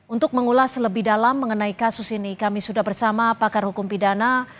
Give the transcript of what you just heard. untuk mengulas lebih dalam mengenai kasus ini kami sudah bersama pakar hukum pidana